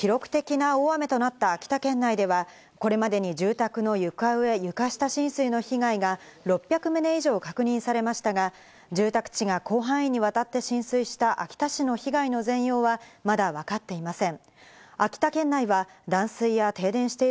お伝えしていますように、記録的な大雨となった秋田県内ではこれまでに住宅の床上・床下浸水の被害が６００棟以上確認されましたが、住宅地が広範囲にわたって浸水した秋田市の被害の全容はまだわかっていません。